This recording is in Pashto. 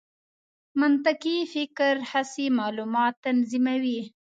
منطقي فکر حسي معلومات تنظیموي.